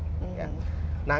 nah ini sudah berubah